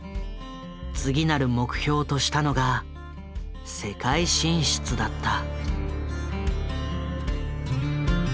次なる目標としたのが世界進出だった。